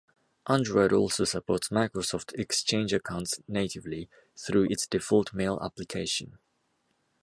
Android also supports Microsoft Exchange accounts natively through its default mail application.